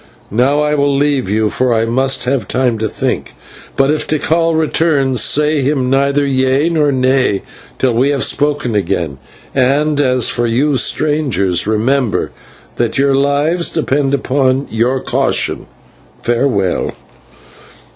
Now I will leave you, for I must have time to think; but, if Tikal returns, say him neither yea nor nay till we have spoken again. And as for you, strangers, remember that your lives depend upon your caution. Farewell."